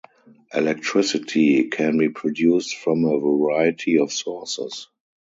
Electricity can be produced from a variety of sources.